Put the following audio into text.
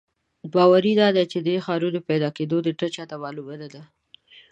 باور دادی چې د دې ښار پیدا کېدو نېټه چا ته معلومه نه ده.